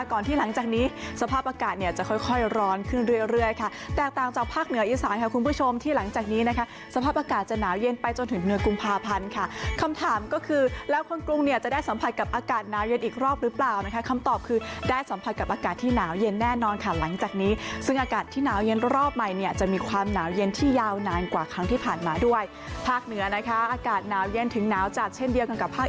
ก่อนที่หลังจากนี้สภาพอากาศเนี่ยจะค่อยค่อยร้อนขึ้นเรื่อยเรื่อยค่ะแตกต่างจากภาคเหนืออีสานค่ะคุณผู้ชมที่หลังจากนี้นะคะสภาพอากาศจะหนาวเย็นไปจนถึงเหนือกรุงภาพันธ์ค่ะคำถามก็คือแล้วคนกรุงเนี่ยจะได้สัมผัสกับอากาศหนาวเย็นอีกรอบหรือเปล่านะคะคำตอบคือได้สัมผัสกับอากาศที่